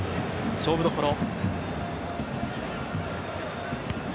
勝負どころ。